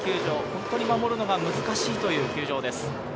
本当に守るのが難しいという球場です。